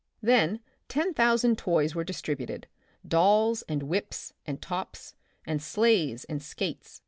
Then ten thousand toys were distributed, dolls and whips and tops, and sleighs and skates.